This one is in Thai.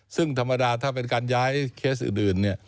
ซึ่งธรรมดาถ้าเป็นการย้ายเคสอื่น